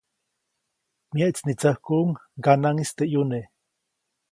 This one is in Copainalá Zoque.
Myeʼtsnitsäkuʼuŋ ŋganaʼŋis teʼ ʼyuneʼ.